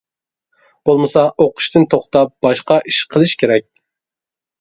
بولمىسا ئوقۇشتىن توختاپ باشقا ئىش قىلىش كېرەك.